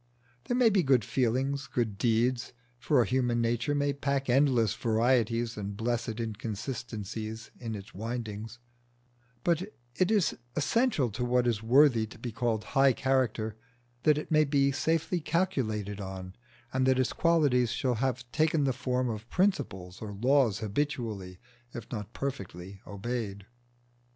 There may be good feelings, good deeds for a human nature may pack endless varieties and blessed inconsistencies in its windings but it is essential to what is worthy to be called high character, that it may be safely calculated on, and that its qualities shall have taken the form of principles or laws habitually, if not perfectly, obeyed.